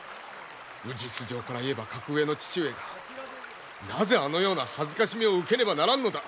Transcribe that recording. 氏素性から言えば格上の父上がなぜあのような辱めを受けねばならんのだ！？